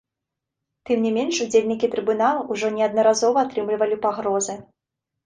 Тым не менш, удзельнікі трыбунала ўжо неаднаразова атрымлівалі пагрозы.